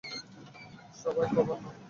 সবাই, কভার নাও!